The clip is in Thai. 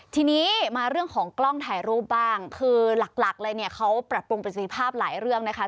ทีนี้มาเรื่องของกล้องถ่ายรูปบ้างคือหลักเลยเนี่ยเขาปรับปรุงประสิทธิภาพหลายเรื่องนะคะ